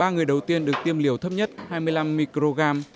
ba người đầu tiên được tiêm liều thấp nhất hai mươi năm microgram